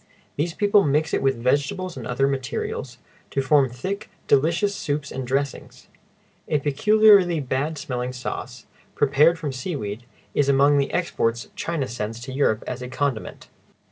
These people mix it with vegetables and other materials, to form thick, delicious soups and dressings. A peculiarly bad smelling sauce, prepared from seaweed, is among the exports China sends to Europe as a condiment.